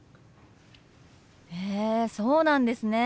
へえそうなんですね。